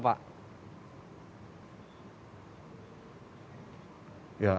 sanksinya apa pak